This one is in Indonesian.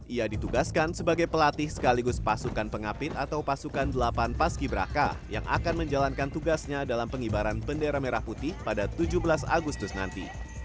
ia ditugaskan sebagai pelatih sekaligus pasukan pengapit atau pasukan delapan paski braka yang akan menjalankan tugasnya dalam pengibaran bendera merah putih pada tujuh belas agustus nanti